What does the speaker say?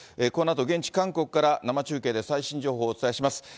このあと現地、韓国から、生中継で最新情報をお伝えします。